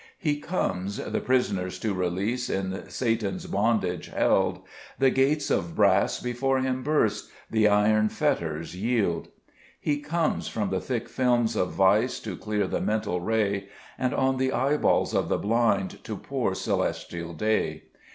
3 He comes, the prisoners to release In Satan's bondage held ; The gates of brass before Him burst, The iron fetters yield. 4 He comes, from the thick films of vice To clear the mental ray, And on the eye balls of the blind To pour celestial day.